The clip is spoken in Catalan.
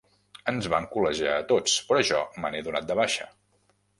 Ens van col·legiar a tots, però jo me n'he donat de baixa.